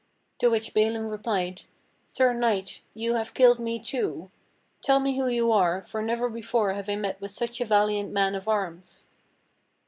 To which Balin replied: "Sir Knight, you have killed me too. Tell me who you are, for never before have I met with such a valiant man of arms!"